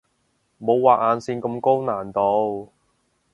冇畫眼線咁高難度